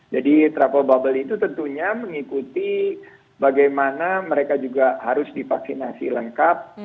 travel bubble itu tentunya mengikuti bagaimana mereka juga harus divaksinasi lengkap